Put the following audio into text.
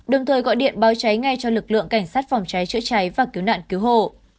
đồng thời gọi điện báo cháy ngay cho lực lượng cảnh sát phòng cháy chữa cháy và cứu nạn cứu hộ